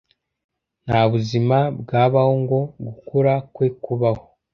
Nta buzima bwabaho ngo gukura kwe kubaho